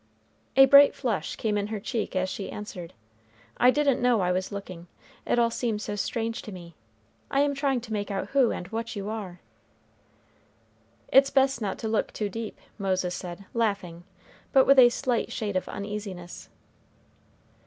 A bright flush came in her cheek as she answered, "I didn't know I was looking. It all seems so strange to me. I am trying to make out who and what you are." "It's not best to look too deep," Moses said, laughing, but with a slight shade of uneasiness.